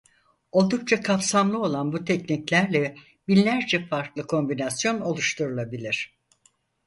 Oldukça kapsamlı olan bu tekniklerle binlerce farklı kombinasyon oluşturulabilir.